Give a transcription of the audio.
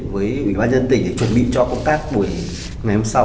với bà nhân tỉnh để chuẩn bị cho công tác buổi ngày hôm sau